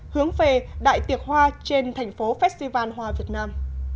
hướng về đại tiệc hoa trên thành phố festival hoa việt nam